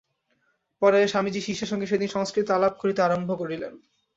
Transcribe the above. পরে স্বামীজী শিষ্যের সঙ্গে সেদিন সংস্কৃতে আলাপ করিতে আরম্ভ করিলেন।